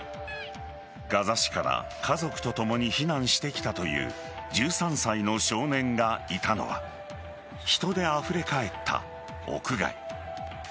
ガザ市から家族とともに避難してきたという１３歳の少年がいたのは人であふれかえった屋外。